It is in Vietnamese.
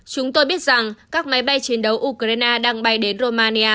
chúng tôi biết rằng các máy bay chiến đấu ukraine đang bay đến romania